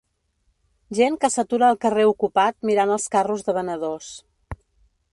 Gent que s'atura al carrer ocupat mirant els carros de venedors